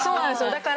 だから。